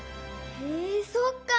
へえそっか！